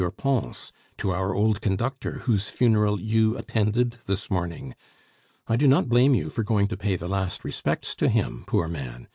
Pons, to our old conductor whose funeral you attended this morning. I do not blame you for going to pay the last respects to him, poor man....